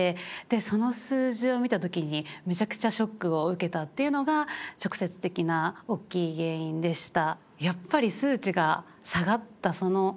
その数字を見た時にめちゃくちゃショックを受けたっていうのが直接的なおっきい原因でした。